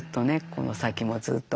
この先もずっと。